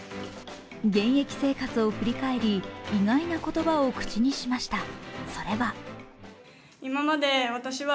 現役生活を振り返り、意外な言葉を口にしました。